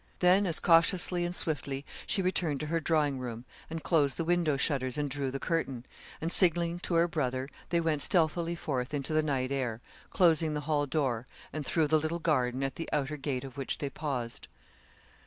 Then as cautiously and swiftly she returned to her drawing room, and closed the window shutters and drew the curtain, and signalling to her brother they went stealthily forth into the night air, closing the hall door, and through the little garden, at the outer gate of which they paused.